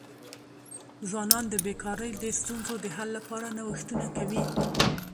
ځوانان د بېکاری د ستونزو د حل لپاره نوښتونه کوي.